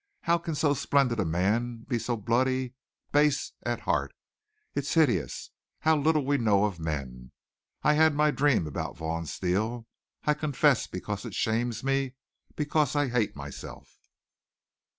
How can so splendid a man be so bloody, base at heart? It's hideous. How little we know of men! I had my dream about Vaughn Steele. I confess because it shames me because I hate myself!"